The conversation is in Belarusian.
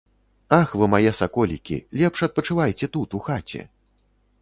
Ах вы мае саколікі, лепш адпачывайце тут у хаце.